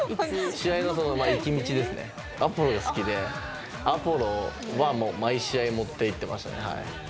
試合の行き道ですね、アポロが好きで、アポロ、もう毎試合持って行ってましたね。